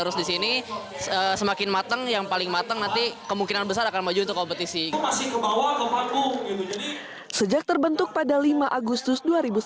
sejak terbentuk pada lima agustus dua ribu sebelas